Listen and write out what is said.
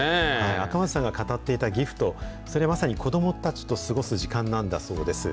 赤松さんが語っていたギフト、それはまさに子どもたちと過ごす時間なんだそうです。